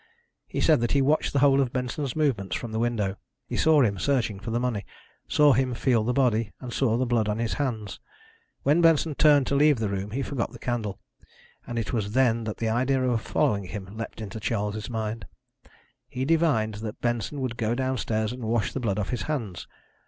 He said that he watched the whole of Benson's movements from the window. He saw him searching for the money, saw him feel the body, and saw the blood on his hands. When Benson turned to leave the room he forgot the candle, and it was then that the idea of following him leapt into Charles' mind. He divined that Benson would go downstairs and wash the blood off his hands.